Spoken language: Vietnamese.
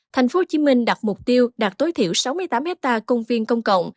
tp hcm đặt mục tiêu đạt tối thiểu sáu mươi tám hectare công viên công cộng